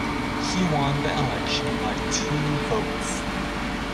He won the election by two votes.